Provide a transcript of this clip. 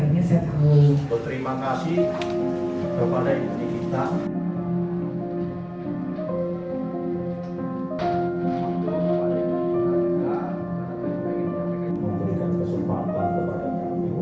dan akhirnya saya tahu